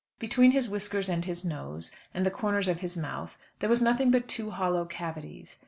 Between his whiskers and his nose, and the corners of his mouth, there was nothing but two hollow cavities.